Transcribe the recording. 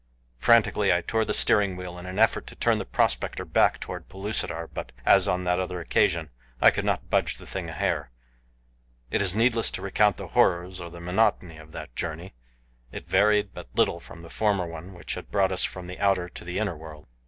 Frantically I tore at the steering wheel in an effort to turn the prospector back toward Pellucidar; but, as on that other occasion, I could not budge the thing a hair. It is needless to recount the horrors or the monotony of that journey. It varied but little from the former one which had brought us from the outer to the inner world.